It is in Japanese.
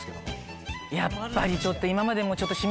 やっぱりちょっと。